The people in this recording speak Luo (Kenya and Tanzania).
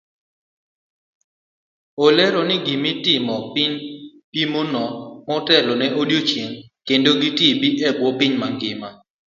Olero ni gitimo pimno motelo ne odiochieng' kedo gi tb ebuo piny mangima.